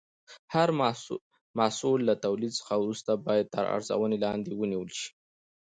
هر محصول له تولید څخه وروسته باید تر ارزونې لاندې ونیول شي.